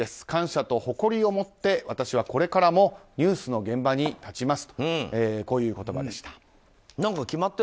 感謝と誇りを持って私はこれからもニュースの現場に立ちますという言葉でした。